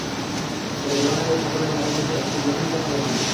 তবে ধোয়ার আগেই কাপড়ের দাগের ঠিক নিচে একটি ব্লটিং পেপার রেখে দিন।